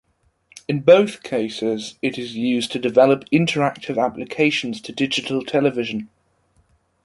In both cases it is used to develop interactive applications to digital television.